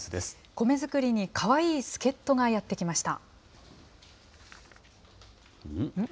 米作りにかわいい助っ人がやって来ました。